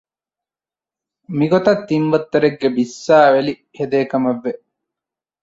މިގޮތަށް ތިން ވައްތަރެއްގެ ބިއްސާވެލި ހެދޭކަމަށް ވެ